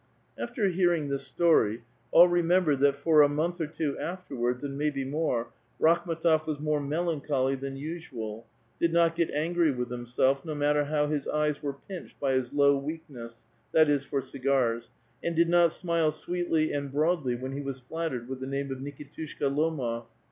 After hearing this story, all remembered that for a month or two afterwards, and may'be more, Rakhm^tof was more melancholy than usual, did not get angry with himself, no matter how his ''eyes were pinched" by his low weakness, — that is, for cigars, — and did not smile sweetly and broadly when he was flattered with the name of Nikitushka Lomof.